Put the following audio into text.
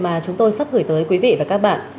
mà chúng tôi sắp gửi tới quý vị và các bạn